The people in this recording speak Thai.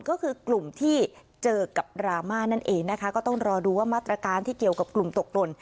ก็คือกลุ่มที่เจอกับดราม่านั่นเองนะคะก็ต้องรอดูว่ามาตรการที่เกี่ยวกับกลุ่มตกหล่น